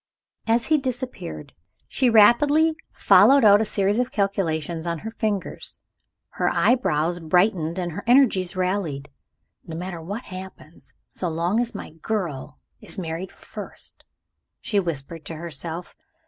As he disappeared, she rapidly followed out a series of calculations on her fingers. Her eyes brightened, her energies rallied. "No matter what happens so long as my girl is married first," she whispered to herself.